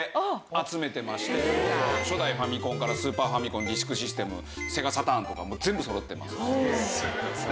初代ファミコンからスーパーファミコンディスクシステムセガサターンとか全部そろってます。